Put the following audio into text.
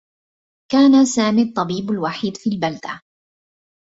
كان سامي الطّبيب الوحيد في البلدة.